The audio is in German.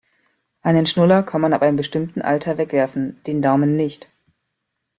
Einen Schnuller kann man ab einem bestimmten Alter wegwerfen, den Daumen nicht.